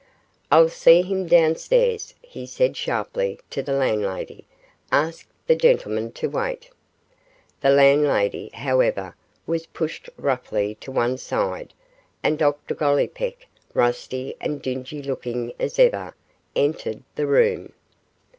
'I'll see him downstairs,' he said, sharply, to the landlady; 'ask the gentleman to wait.' The landlady, however, was pushed roughly to one side, and Dr Gollipeck, rusty and dingy looking as ever, entered the room.